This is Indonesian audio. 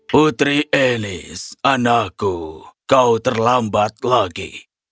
putri enis anakku kau terlambat lagi